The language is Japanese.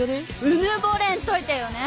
うぬぼれんといてよね